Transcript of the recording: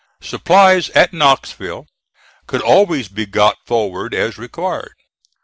Supplies at Knoxville could always be got forward as required.